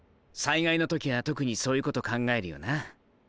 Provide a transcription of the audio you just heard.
災害の時は特にそういうこと考えるよな。